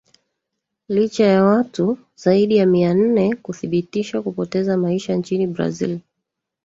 licha ya watu zaidi ya mia nne kuthibitisha kupoteza maisha nchini brazil